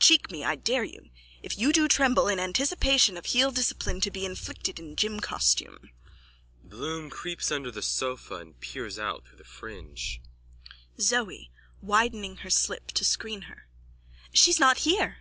Cheek me, I dare you. If you do tremble in anticipation of heel discipline to be inflicted in gym costume. (Bloom creeps under the sofa and peers out through the fringe.) ZOE: (Widening her slip to screen her.) She's not here.